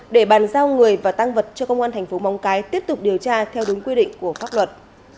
để bàn giao người và tăng vật cho công an tp mong cái tiếp tục điều tra theo đúng quy định của pháp luật